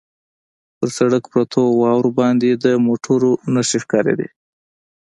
پر سړک پرتو واورو باندې د موټرو نښې ښکارېدې.